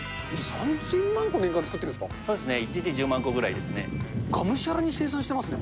３０００万個、年間作ってるそうですね、１日１０万個ぐがむしゃらに生産してますね。